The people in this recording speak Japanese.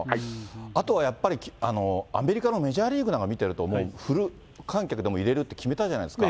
あとはやっぱりアメリカのメジャーリーグなんか見てると、フル観客で入れるって決めたじゃないですか。